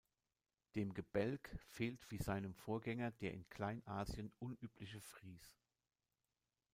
Dem Gebälk fehlt wie seinem Vorgänger der in Kleinasien unübliche Fries.